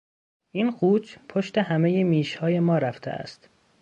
این قوچ پشت همهی میش های ما رفته است.